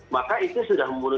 maka itu sudah muncul